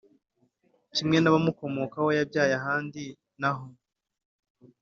Kimwe n abamukomokaho yabyaye ahandi naho